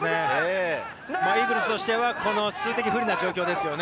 イーグルスとしては数的不利な状況です。